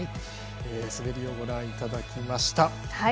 滑りをご覧いただきました。